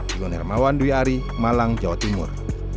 iwan hermawan dwi ari malang jawa timur